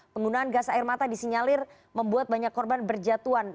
penggunaan gas air mata disinyalir membuat banyak korban berjatuhan